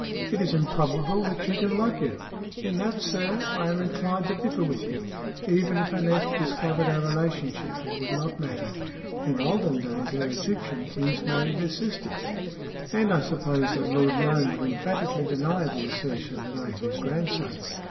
"It is improbable that she can love you." "In that, sir, I am inclined to differ with you. Even if Aneth discovered our relationship, it would not matter. In olden days our Egyptian kings married their sisters. And I suppose that Lord Roane would emphatically deny the assertion that I am his grandson.